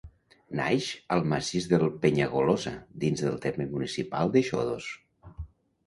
Naix al massís del Penyagolosa, dins del terme municipal de Xodos.